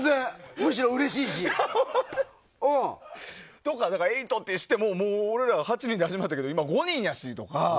むしろ、うれしいし。とか、エイトってしても俺ら８人で始まったけど今、５人やしとか。